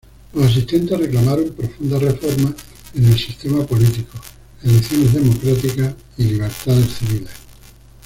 Los asistentes reclamaron profundas reformas en el sistema político, elecciones democráticas y libertades civiles.